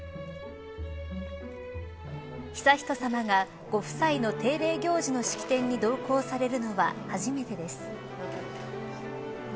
悠仁さまがご夫妻の定例行事の式典に同行されるのは初めてです。